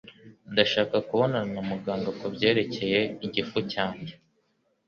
Ndashaka kubonana na muganga kubyerekeye igifu cyanjye.